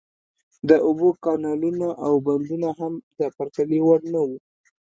د اوبو کانالونه او بندونه هم د پرتلې وړ نه وو.